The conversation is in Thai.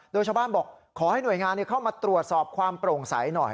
โดยชาวบ้านบอกขอให้หน่วยงานเข้ามาตรวจสอบความโปร่งใสหน่อย